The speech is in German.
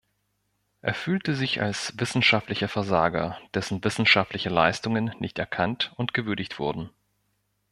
Er fühlte sich als wissenschaftlicher Versager, dessen wissenschaftliche Leistungen nicht erkannt und gewürdigt wurden.